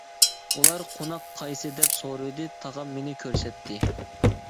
ئۇلار: «قوناق قايسى» دەپ سورىۋىدى، تاغام مېنى كۆرسەتتى.